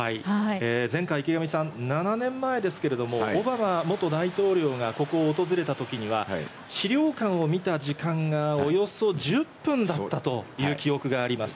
前回、池上さん、７年前ですけれども、オバマ大統領がここを訪れたときには、資料館を見た時間がおよそ１０分だったという記憶があります。